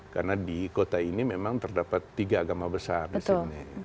karena di kota ini memang terdapat tiga agama besar disini